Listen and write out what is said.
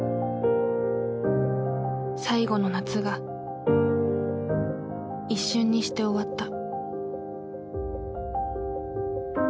最後の夏が一瞬にして終わった。